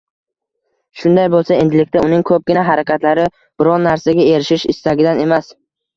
Shunday bo‘lsa, endilikda uning ko‘pgina harakatlari biron narsaga erishish istagidan emas.